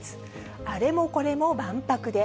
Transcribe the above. あれもこれも万博で。